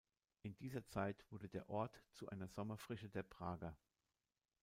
In dieser Zeit wurde der Ort zu einer Sommerfrische der Prager.